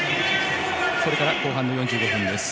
これから後半の４５分です。